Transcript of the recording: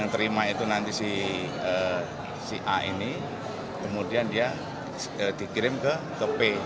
terima itu nanti si a ini kemudian dia dikirim ke p